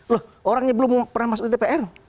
loh orangnya belum pernah masuk di dpr